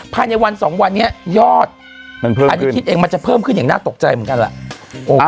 ภายในวันสองวันนี้ยอดมันเพิ่มอันนี้คิดเองมันจะเพิ่มขึ้นอย่างน่าตกใจเหมือนกันแหละ